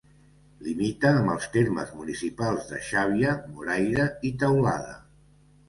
Limita amb els termes municipals de Xàbia, Moraira i Teulada.